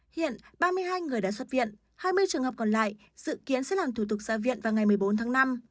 hiện ba mươi hai người đã xuất viện hai mươi trường hợp còn lại dự kiến sẽ làm thủ tục ra viện vào ngày một mươi bốn tháng năm